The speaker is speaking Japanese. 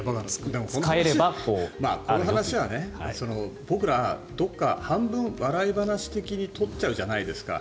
こういう話は僕らどこか、半分笑い話的に取っちゃうじゃないですか。